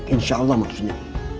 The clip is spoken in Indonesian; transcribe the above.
insya allah maksudnya